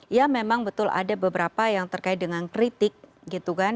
ya memang betul ada beberapa yang terkait dengan kritik gitu kan